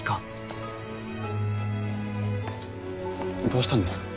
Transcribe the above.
どうしたんです？